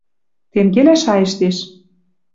Тенгелӓ шайыштеш.